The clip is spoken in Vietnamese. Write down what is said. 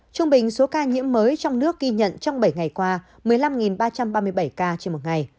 trung bình số ca nhiễm mới trong nước ghi nhận trong bảy ngày qua một mươi năm ba trăm ba mươi bảy ca trên một ngày